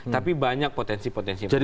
tapi banyak potensi potensi besar